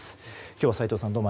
今日は斎藤さん